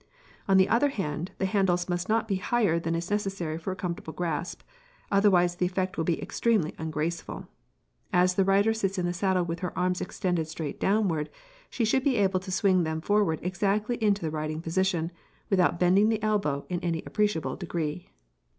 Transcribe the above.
On the other hand, the handles must not be higher than is necessary for a comfortable grasp, otherwise the effect will be extremely ungraceful. As the rider sits in the saddle with her arms extended straight downward, she should be able to swing them forward exactly into the ridingposition, without bending the elbow in any appreciable degree.